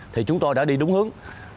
thì chúng tôi đã đi đúng hướng